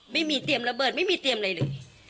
ไม่มีเตรียมระเบิดไม่มีเตรียมอะไรเลย